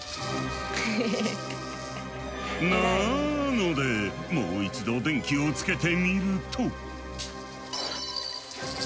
なのでもう一度電気をつけてみると。